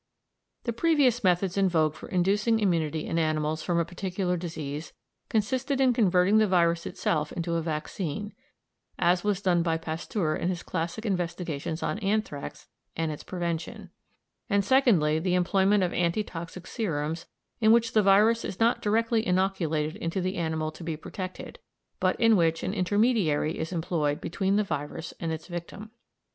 The previous methods in vogue for inducing immunity in animals from a particular disease consisted in converting the virus itself into a vaccine, as was done by Pasteur in his classical investigations on anthrax and its prevention; and secondly, the employment of anti toxic serums, in which the virus is not directly inoculated into the animal to be protected, but in which an intermediary is employed between the virus and its victim.